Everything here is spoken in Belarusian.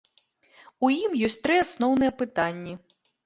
У ім ёсць тры асноўныя пытанні.